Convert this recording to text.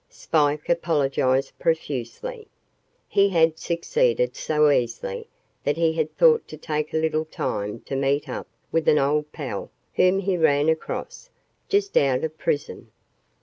Spike apologized profusely. He had succeeded so easily that he had thought to take a little time to meet up with an old pal whom he ran across, just out of prison.